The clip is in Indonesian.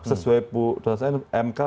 sesuai putusan mk